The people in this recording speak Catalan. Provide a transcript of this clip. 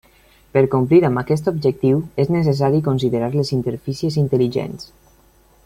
Per complir amb aquest objectiu és necessari considerar les interfícies intel·ligents.